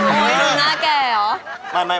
โอ๊ยหน้าแก่เหรอ